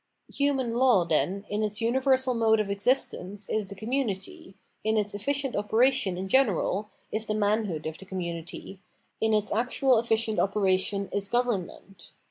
Human law, then, in its universal mode of existence is the community, in its efficient operation in general is the manhood of the community, in its actual efficient operation is government.